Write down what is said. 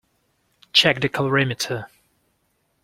Check the calorimeter.